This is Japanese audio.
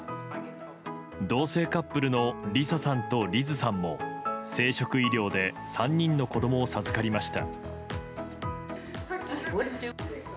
同性カップルのリサさんとリズさんも生殖医療で３人の子供を授かりました。